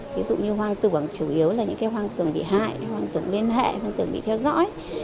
ví dụ như hoang tưởng chủ yếu là những hoang tưởng bị hại hoang tưởng liên hệ hoang tưởng bị theo dõi